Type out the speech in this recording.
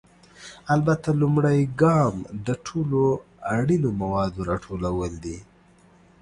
البته، لومړی ګام د ټولو اړینو موادو راټولول دي.